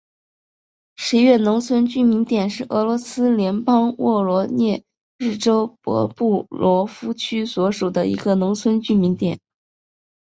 十月农村居民点是俄罗斯联邦沃罗涅日州博布罗夫区所属的一个农村居民点。